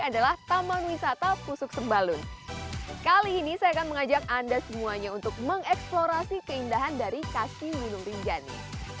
dan anda semuanya untuk mengeksplorasi keindahan dari kaki gunung rinjani